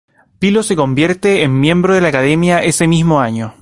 Pilo se convierte en miembro de la Academia ese mismo año.